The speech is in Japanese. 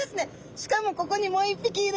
しかもここにもう一匹いる。